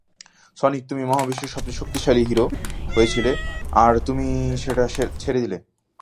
Sonic, তুমি মহাবিশ্বের সবচেয়ে শক্তিশালী হিরো হয়েছিলে, আর তুমি সেটা ছেড়ে দিলে।